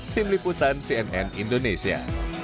tim liputan cnn indonesia